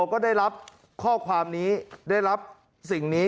ก็ได้รับข้อความนี้ได้รับสิ่งนี้